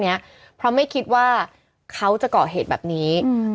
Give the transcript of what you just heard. เนี้ยเพราะไม่คิดว่าเขาจะเกาะเหตุแบบนี้อืม